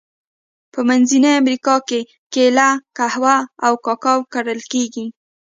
په منځنۍ امریکا کې کېله، قهوه او کاکاو کرل کیږي.